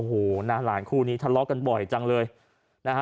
โอ้โหหน้าหลานคู่นี้ทะเลาะกันบ่อยจังเลยนะฮะ